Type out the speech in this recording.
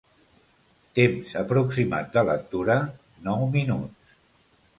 Temps aproximat de lectura: nou minuts.